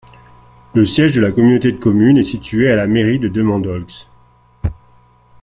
Le siège de la communauté de communes est situé à la mairie de Demandolx.